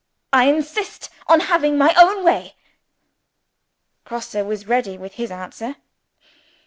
"I insist on having my own way." Grosse was ready with his answer.